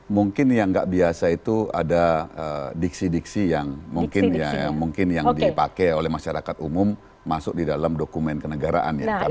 mungkin yang nggak biasa itu ada diksi diksi yang mungkin yang dipakai oleh masyarakat umum masuk di dalam dokumen kenegaraan ya